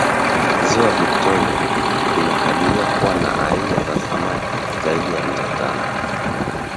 ziwa victoria linakadiriwa kuwa na aina za samaki zaidi ya mia tano